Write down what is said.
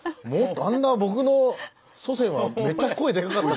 あんな僕の祖先はめっちゃ声でかかった。